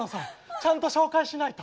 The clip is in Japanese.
ちゃんと紹介しないと。